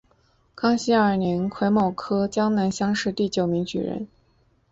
康熙二年癸卯科江南乡试第九名举人。